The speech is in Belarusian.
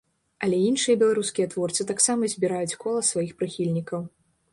Але іншыя беларускія творцы таксама збіраюць кола сваіх прыхільнікаў.